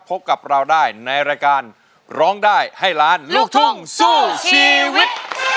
พบกับเราได้ในรายการร้องได้ให้ล้านลูกทุ่งสู้ชีวิต